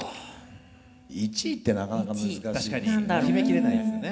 １位ってなかなか難しいですね。